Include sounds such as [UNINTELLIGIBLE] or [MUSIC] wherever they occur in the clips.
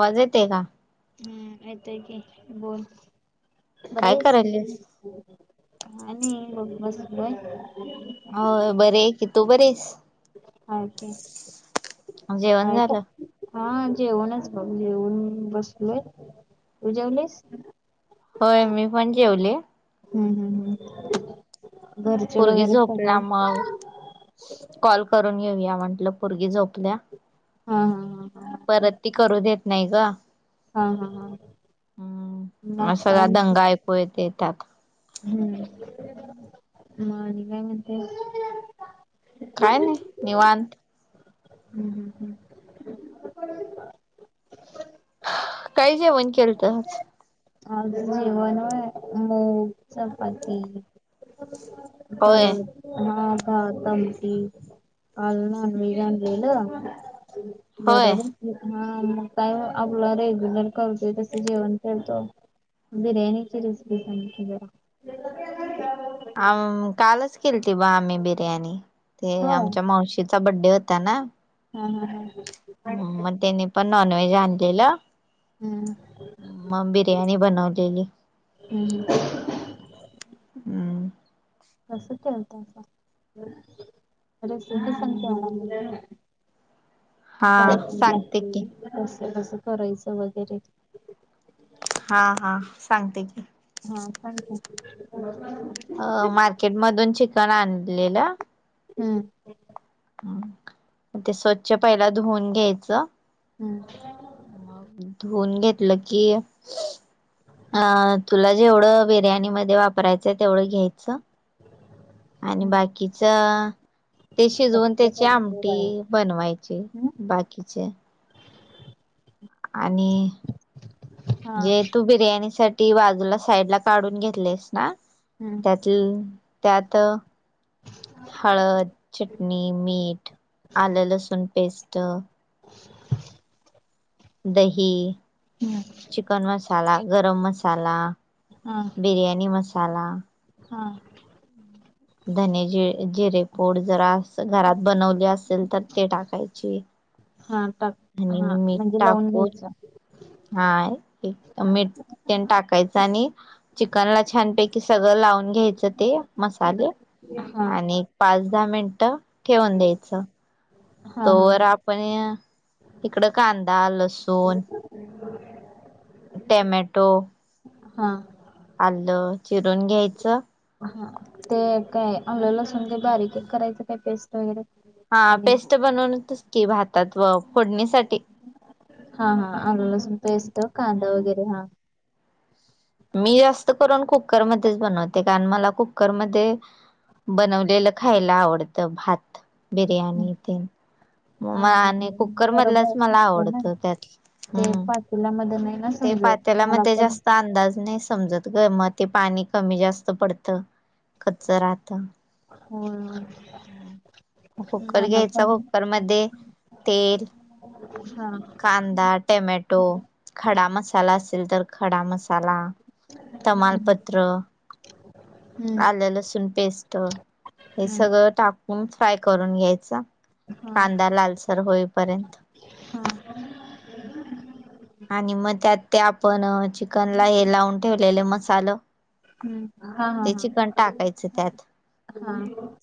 वाज येते का हम येतय की बोल बरी काय अयस करायलीस काय नाही बघ बसलोय होय बरी आहे की तू बरी अयास होय की जेवण काय झालं कर हा जेवणच बघ जेउन बसलोय तू जेवलीस होय मी पण जेवले हम्म हम् हम् घरचे पोरगी वगैरे सगळे झोपल्या मग कॉल करून घेऊया म्हटलं पुरगी झोपल्या हा हा हा ह परत ती करू देत नाही ग हा हा हा हम्म मग काय सगळा म्हणते दंगा ऐकू येत त्यात हम्म मग आणि काय म्हणतेस काय नाही निवांत हम्म हम्म हम्म काय जेवण केलत आज आज जेवण होय मूग चपाती होय पाडून हा भात आमटी आज नॉनवेज आणलेलं घरा होय अहेस मग काय आपला रेग्युलर करत ते तस जेवण केलत बिर्याणीची रेसिपी सांग की जरा विचारलं हो आम कालच केलीती बग आम्ही बिर्याणी ते होय आमच्या मावशी चा बड्डे होता ना हम हम ह हम् मग त्यानी पण नॉन व्हेज आणलेलं हम्म मग बिर्याणी बनवलेली हम् हम हम्म कस केलतासा रेसिपी सांग की आम्हाला हा काय पन सांगते की दाखवेल कसं कसं करायचं वगैरे हा हा सांगते की हा सांग की. अ मार्केट मधून चिकन आणलेलं हम्म. ते स्वच्छ पहिला धुवून घ्यायचं. हम्म. मग धुऊन घेतलं की अ तुला जेवढं बिर्याणी मध्ये वापरायचं तेवढं घ्यायचं. आणि हम्म. बाकीच ते शिजवून त्याची आमटी हम्म? बनवायची बाकीचे [INAUDIBLE] आणि हा जे तू ब बिर्याणी साठी बाजूला साईड ला काढून घेतलेस ना? हम्म. त्यात त्यात हळद चटणी मीठ आलं लसूण पेस्ट [INAUDIBLE] दही हम्म. चिकन मसाला गरम मसाला. हा बिर्याणी मसाला. हा. धने जी जिरे पूड जरा अस घरात बनवले असेल तर ते टाकायची. हा टाक आणि हा मीठ म्हणजे लाऊन टाकून घ्यायच. हा एक मीठन टाकायचं आणि चिकनला छानपैकी कि सगळं लावून घ्यायचं ते मसाले हा आणि पाच दहा मिनटं ठेवून द्यायचं. हा तोवर हा. आपण इकडं कांदा लसूण टॅमॅटो. हा. आलं चिरून घ्यायचं. हा. ते काय अलं लसण काही बारीकेक करायचं काय पेस्ट वगैरे हा आणि पेस्ट बनवूनच की भातात व फोडणीसाठी हा हा आला पेस्ट कांदा हम्म. वगैरे हा. मी जास्त करून कुकरमध्येध्येच बनवते कारण मला कुकरमध्ये बनवलेलं ख खायला आवडत भात बिर्याणी तेन. म हा मला आणि कुकर मधलाच बरोबर मला शिजतय ना आवडतं त्यात हम्. [UNINTELLIGIBLE] नाही. ना ते समजत पातेल्या मला मध्ये पण जास्त अंदाज नाही समजत. ग म ते पाणी कमी जास्त पडतं कच्च राहत. होय. ह म कुकर मला घ्यायचा पण कुकरमध्येध्ये तेल हा कांदा टमॅटो खडा मसाला असेल तर खडा मसाला हम्म तमालपत्र आलं लसूण पेस्ट हे हम्म सगळं टाकून फ्राय करून घ्यायचा हम्म कांदा लालसर होईपर्यंत. हा हा आणि मग त्यात ते आपण चिकनला हे लावून ठेवलेले मसाल हम्म हा हा त्याची चिकन टाकायच त्यात. हा हा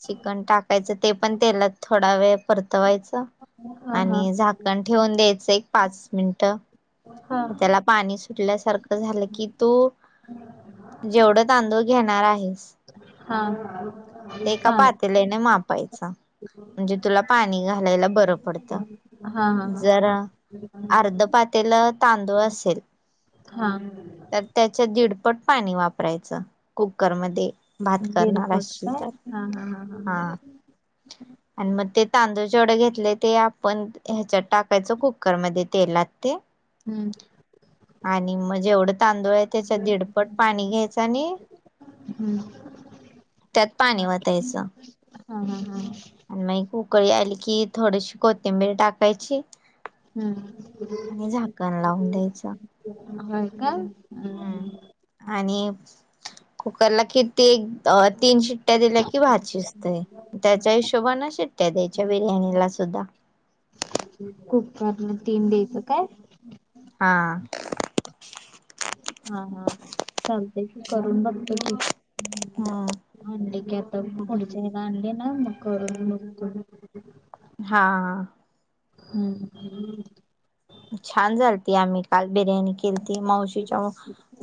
चिकन टाकायचं ते पण तेलात थोडा वेळ परतवायचं. हा आणि झाकण ठेवून द्यायचं एक पाच मिनिट हा त्याला पाणी सुटल्यासारखं झालं की तू जेवढं तांदूळ घेणार आहेस हा ते का चालेल पातेलाने मापायच म्हणजे तुला पाणी घालायला बरं पडतं हा हा तेला तांदूळ असेल हा तर त्याच्या दडपट पाणी वापरायचं कुकरमध्ये भात करणार दीडपट असील काय तर हा हा हा आणि मग ते तांदूळ जेवढे घेतले ते आपण ह्याच्यात टाकायचो कुकरमध्येध्ये तेलात ते हम्म आणि मग जेवढं तांदूळ आहे त्याच्यात दीडपट पाणी घ्यायचा आणि हम्म त्यात पाणी वतायचं हा हा हा आणि मग वूकळी आली की थोडशी कोथिंबीर टाकायची हम्म आणि झाकण लावून द्यायच काय का हम्म हम् आणि कुकरला कि ते एक तीन शिट्ट्या दिल्या कि भाच शिजतय त्याच्या हिशोबा न शट्ट्या त्याच्या बिर्याणीला सुद्धा कुकरण तीन द्यायचं काय हा हा हा चालतय की करून बघतो कि हम्म. हंड कता पुडीचला अंी ना म मुक हा हम्म छान झालती आम्ही काल बिर्याणी केलीती मावशीच्या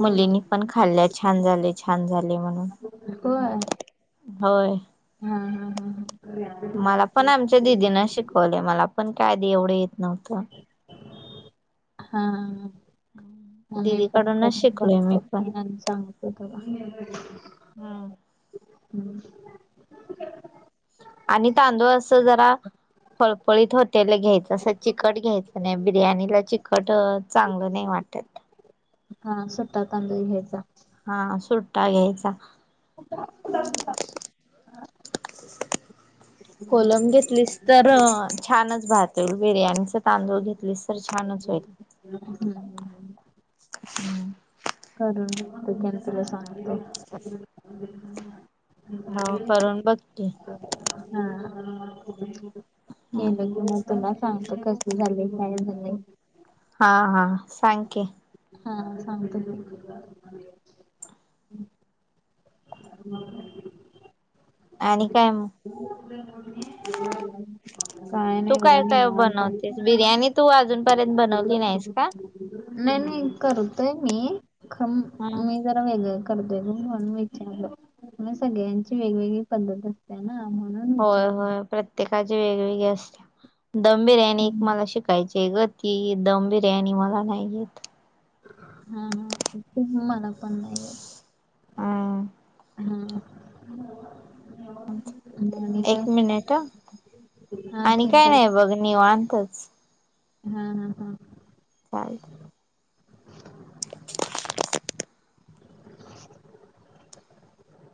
मुलीनी पण खाल्ल्या छान झाले छान झाले म्हणून कवा होय हा हा हम ह मला पण आमच्या दिदीना शिकवले मला पण कायधी एवढं येत नव्हतं हा आम्ही पण दिदीकडूनच करून शिकलोय बघतो मी पण. आणि सांगतो हम् हम्म. आणि तांदूळ अस जरा फळफळीत होटेल घ्यायचं असं चिकट घ्यायचं नाही बिर्याणीला चिकट चांगलं नाही वाटत हा सु्टा तंदु हेज हा सुट्टा घ्यायचा [INAUDIBLE] कोलम घेतलीस तर छानच भहते बिर्याणीचे तांदूळ घेतलेस तर छानच होईल ह हम् हम्म करून तकने तुला सांगतो ह हा हो करून बघते लगे म तुला सांगत कस झालंय काय झालंय हा हा सांग के हा सांगते त हो आणि काय मग [INAUDIBLE] काय तू नाही एवढंनी काय मानतय बनवतेस बिर्याणी तू अजूनपर्यंत बनवली नाहीस का नाही नाही करतोय मी ख हम मी ग करत वेच म सगळ्यांची वेगवेगळी पद्धत असते ना म्हणून होय विचारलं होय प्रत्येकाची वेगवेगळे असते गंभीर आणि एक हम्म मला शिक. काायची आहे ग ती दम बिर्याणी मला नाही येत. हा हा मला पण नाही आहे. हम्म हम्म. ह एक मिनिट हं, काय हा आणि ठीक काय आहे. नाही बघ निवांतच. हा हा हा. [INAUDIBLE] [UNINTELLIGIBLE]